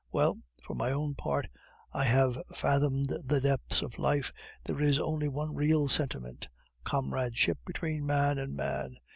Well, for my own part, I have fathomed the depths of life, there is only one real sentiment comradeship between man and man.